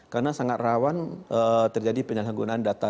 karena sangat rawan terjadi penyalahgunaan data